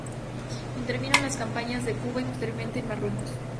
Intervino en las campañas de Cuba y posteriormente en Marruecos.